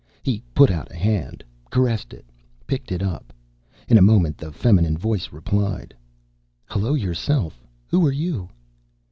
He put out a hand, caressed it, picked it up. In a moment the feminine voice replied, "Hello yourself. Who are you?"